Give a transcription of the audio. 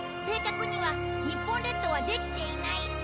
正確には日本列島はできていない。